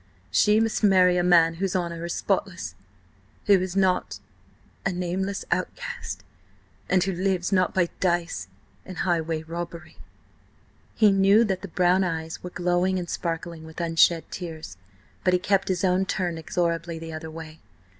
She must marry a man whose honour is spotless; who is not–a nameless outcast, and who lives–not–by dice–and highway robbery." He knew that the brown eves were glowing and sparkling with unshed tears, but he kept his own turned inexorably the other way.